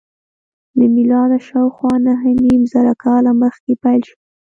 له میلاده شاوخوا نهه نیم زره کاله مخکې پیل شول.